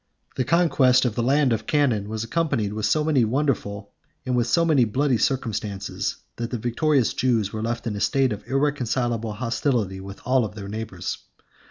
The conquest of the land of Canaan was accompanied with so many wonderful and with so many bloody circumstances, that the victorious Jews were left in a state of irreconcilable hostility with all their neighbors.